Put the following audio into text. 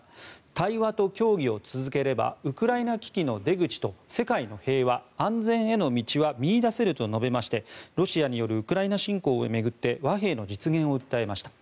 対話と協議を続ければウクライナ危機の出口と世界の平和・安全への道は見いだせると述べましてロシアによるウクライナ侵攻を巡って和平の実現を訴えました。